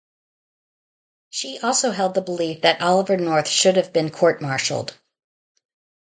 She also held the belief that Oliver North should have been court-martialed.